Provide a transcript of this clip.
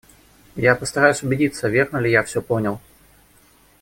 Я постараюсь убедиться, верно ли я все понял.